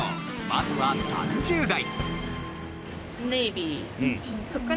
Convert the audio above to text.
まずは３０代。